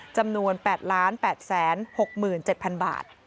จำนวน๘๘๖๗๐๐บาท